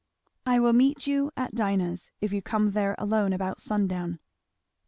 "I will meet you at Dinah's if you come there alone about sundown."